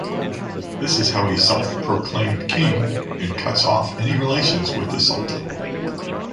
This is how he self proclaimed king, and cuts off any relations with the sultan.